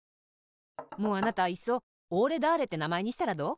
もうあなたいっそおーれだーれってなまえにしたらどう？